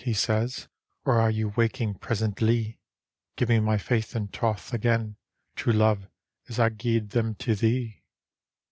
" he says, " Or are you waking presentlie? Give me my faith and troth again, True love, as I gied them to thee."